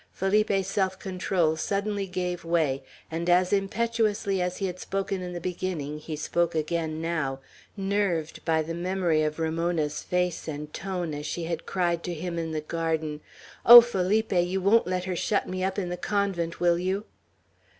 Felipe's self control suddenly gave way, and as impetuously as he had spoken in the beginning, he spoke again now, nerved by the memory of Ramona's face and tone as she had cried to him in the garden, "Oh, Felipe, you won't let her shut me up in the convent, will you?"